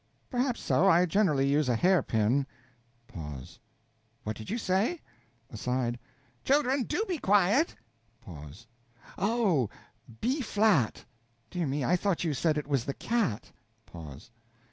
Perhaps so; I generally use a hair pin. Pause. What did you say? (Aside.) Children, do be quiet! Pause Oh! B flat! Dear me, I thought you said it was the cat! Pause.